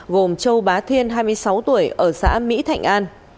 gồm châu bá thiên hai mươi sáu tuổi ở xã mỹ thạnh an